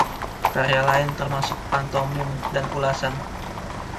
Karya lain termasuk pantomim dan ulasan.